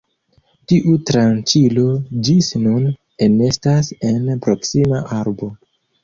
Tiu tranĉilo ĝis nun enestas en proksima arbo.